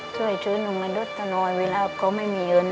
ช่วยช่วยหนูมาดูดตนอย่างเวลาเขาไม่มีเงิน